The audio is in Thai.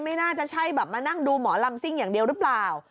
ไม่น่าจะใช่แบบมานั่งดูหมอลำซิ่งอย่างเดียวหรือเปล่า